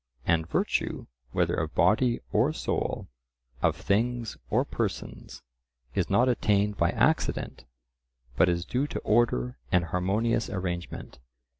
And virtue, whether of body or soul, of things or persons, is not attained by accident, but is due to order and harmonious arrangement.